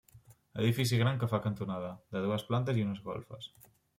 Edifici gran que fa cantonada, de dues plantes i unes golfes.